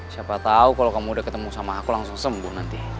siapa tahu kalau kamu udah ketemu sama aku langsung sembuh nanti